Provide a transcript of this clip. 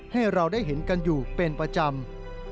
ให้เราได้เห็นกันอยู่เป็นประจำ